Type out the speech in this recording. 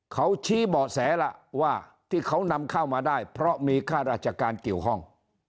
เขาชี้เบาะแสล่ะว่าที่เขานำเข้ามาได้เพราะมีค่าราชการเกี่ยวข้อง